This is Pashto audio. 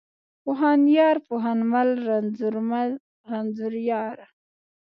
پوهنيار، پوهنمل، رنځورمل، رنځوریار.